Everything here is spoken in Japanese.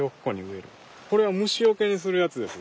これは虫よけにするやつです。